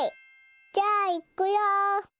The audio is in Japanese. じゃあいくよ！